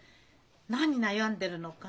「何悩んでるのか？」